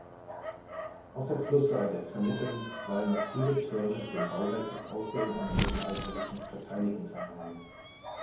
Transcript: Auf der Flussseite vermitteln zwei massive Türme dem Bauwerk das Aussehen einer mittelalterlichen Verteidigungsanlage.